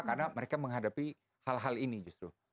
karena mereka menghadapi hal hal ini justru